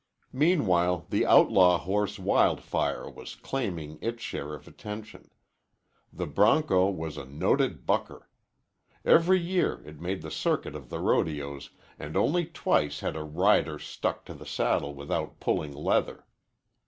Meanwhile the outlaw horse Wild Fire was claiming its share of attention. The bronco was a noted bucker. Every year it made the circuit of the rodeos and only twice had a rider stuck to the saddle without pulling leather.